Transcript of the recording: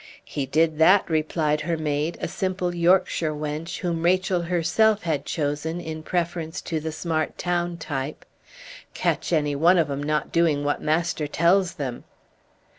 "He did that!" replied her maid, a simple Yorkshire wench, whom Rachel herself had chosen in preference to the smart town type. "Catch any on 'em not doin what master tells them!"